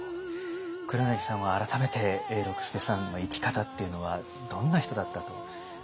黒柳さんは改めて永六輔さんの生き方っていうのはどんな人だったと？